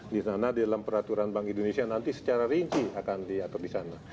di sana di dalam peraturan bank indonesia nanti secara rinci akan diatur di sana